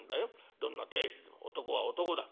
どんな亭主でも男は男だ。